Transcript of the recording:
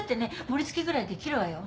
盛りつけぐらいできるわよ。